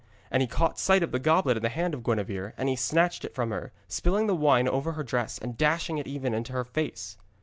And he caught sight of the goblet in the hand of Gwenevere, and he snatched it from her, spilling the wine over her dress and dashing it even into her face.